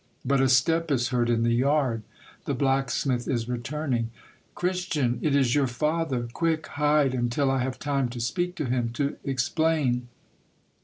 But a step is heard in the yard. The blacksmith is returning. '' Christian, it is your father ! Quick, hide, until I have had time to speak to him, to explain